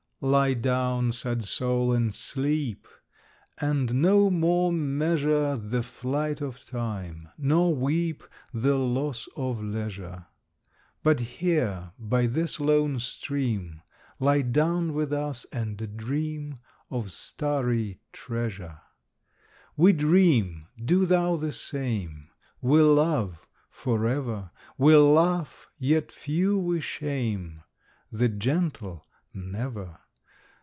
Lie down, sad soul, and sleep, And no more measure The flight of Time, nor weep The loss of leisure; But here, by this lone stream, Lie down with us and dream Of starry treasure. We dream: do thou the same: We love forever; We laugh; yet few we shame, The gentle, never.